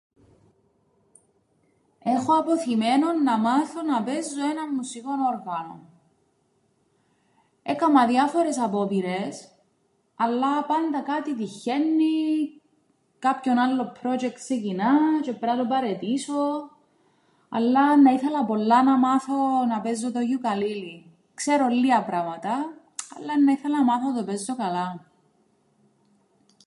Έχω αποθημένον να μάθω να παίζω έναν μουσικόν όργανο. Έκαμα δάφορες απόπειρες, αλλά πάντα κάτι τυγχαίννει, κάποιον άλλον ππρότζεκτ ξεκινά τζ̆αι πρέπει να το παραιτήσω, αλλά εννά ήθελα πολλά να μάθω να παίζω το γιουκαλίλιν. Ξέρω λλία πράματα, αλλά εννά ήθελα να μάθω να το παίζω καλά.